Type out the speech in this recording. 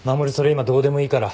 今どうでもいいから。